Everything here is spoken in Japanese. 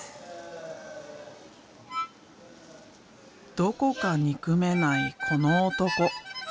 どこか憎めないこの男。